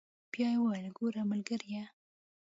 بيا يې وويل ګوره ملګريه.